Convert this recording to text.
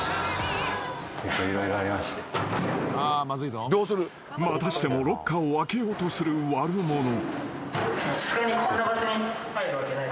［またしてもロッカーを開けようとする悪者］